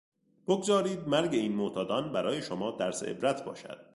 بگذارید مرگ این معتادان برای شما درس عبرت باشد.